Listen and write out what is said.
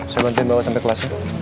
saya bantuin bawa sampe kelasnya